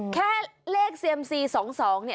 แค่เลขเซียมสี่๒๒